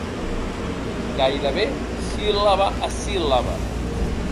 Gairebé síl·laba a síl·laba.